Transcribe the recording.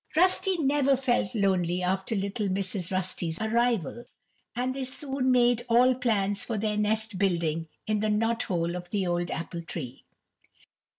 Rusty never felt lonely after little Mrs. Rusty's arrival, and they soon made all plans for their nest building in the knot hole of the old apple tree.